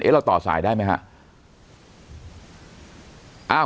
เอ๊ะเราต่อสายได้ไหมฮะ